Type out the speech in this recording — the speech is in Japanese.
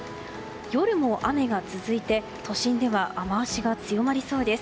夜も雨が続いて都心では雨脚が強まりそうです。